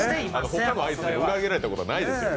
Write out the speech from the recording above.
他のアイスにも裏切られたことないですよ。